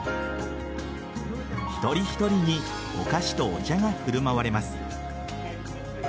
一人一人にお菓子とお茶が振る舞われます。